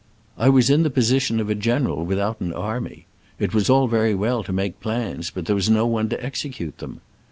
I was in the position of a general without an army : it was all very well to make plans, but there was no one to execute them.